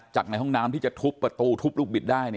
จากในห้องน้ำที่จะทุบประตูทุบลูกบิดได้